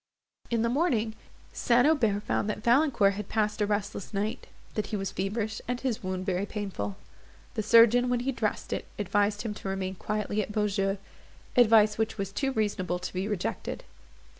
In the morning St. Aubert found that Valancourt had passed a restless night; that he was feverish, and his wound very painful. The surgeon, when he dressed it, advised him to remain quietly at Beaujeu; advice which was too reasonable to be rejected.